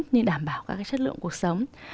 như đảm bảo các cái chất lượng cuộc sống